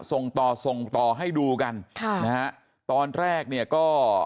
ส่งต่อส่งต่อให้ดูกันค่ะนะฮะตอนแรกเนี่ยก็